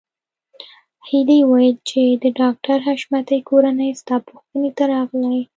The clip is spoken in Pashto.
هيلې وویل چې د ډاکټر حشمتي کورنۍ ستا پوښتنې ته راغلې